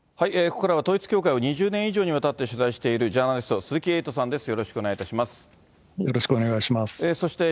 ここからは、統一教会を２０年以上にわたって取材しているジャーナリスト、鈴木エイトさんです。